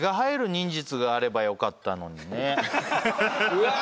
うわ！